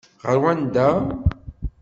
Ɣer wanda?